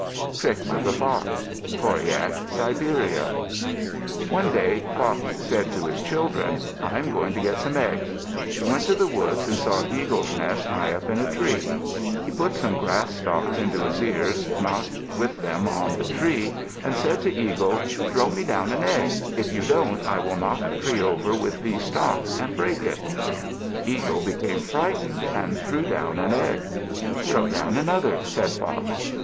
TRICKS OF THE FOX Koryak (Siberia) One day Fox said to his children, "I am going to get some eggs." He went to the woods and saw Eagle's nest high up in a tree. He put some grass stalks into his ears, knocked with them on the tree, and said to Eagle, "Throw me down an egg. If you don't, I will knock the tree over with these stalks and break it." Eagle became frightened and threw down an egg. "Throw down another," said Fox.